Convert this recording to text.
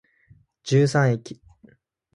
十三駅